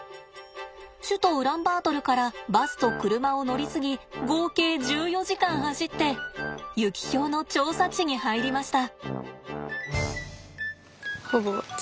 首都ウランバートルからバスと車を乗り継ぎ合計１４時間走ってユキヒョウの調査地に入りました。